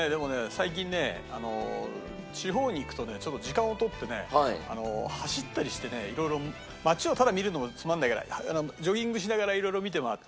最近ね地方に行くとねちょっと時間を取ってね走ったりしてねいろいろ街をただ見るのもつまらないからジョギングしながらいろいろ見て回って。